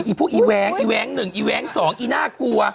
โถโฮไอ้พวกไอ้แวงไอ้แหวงหนึ่งไอ้แหวงสองไอ้น่ากลัว